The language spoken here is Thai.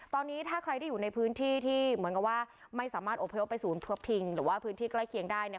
ตอนนี้ถ้าใครที่อยู่ในพื้นที่ที่เหมือนกับว่าไม่สามารถอบพยพไปศูนย์พักพิงหรือว่าพื้นที่ใกล้เคียงได้เนี่ย